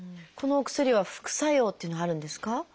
このお薬は副作用っていうのはあるんですか？